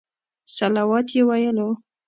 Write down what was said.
الصلواة یې ویلو.